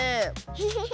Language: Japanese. ウフフフ。